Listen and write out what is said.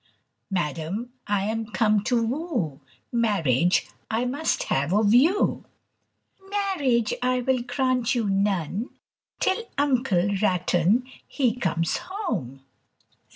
PUDDOCK. "Madam, I am come to woo, Marriage I must have of you." MOUSIE. "Marriage I will grant you none Till Uncle Ratton he comes home."